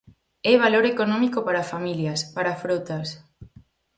É valor económico para familias, para frotas.